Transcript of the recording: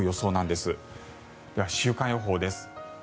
では、週間予報です。